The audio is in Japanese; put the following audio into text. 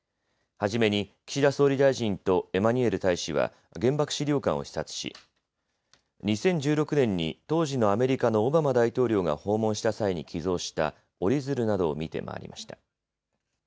始めに岸田総理大臣とエマニュエル大使は原爆資料館を視察し２０１６年に当時のアメリカのオバマ大統領が訪問した際に寄贈した折り鶴などを見て回りました。